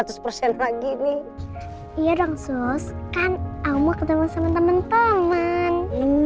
terus kan aku mau ketemu sama temen temen